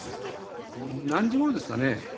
何時頃ですかね？